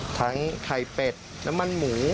ไข่เป็ดน้ำมันหมู